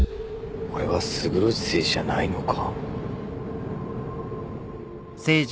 俺は勝呂寺誠司じゃないのか？